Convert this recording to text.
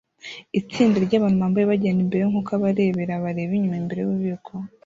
Itsinda ryabantu bambaye bagenda imbere nkuko abarebera bareba inyuma imbere yububiko